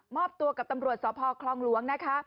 อบตัวกับตำรวจสพคลองหลวงนะคะ